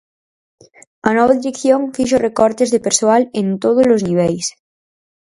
A nova dirección fixo recortes de persoal en tódolos niveis.